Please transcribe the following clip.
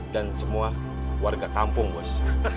dan semua warga kampung bos